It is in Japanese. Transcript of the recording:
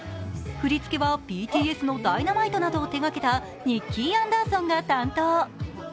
振り付けはＢＴＳの「Ｄｙｎａｍｉｔｅ」などを手がけたニッキー・アンダーソンが担当。